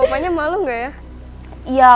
mama papanya malu gak ya